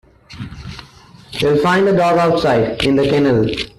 You'll find the dog outside, in the kennel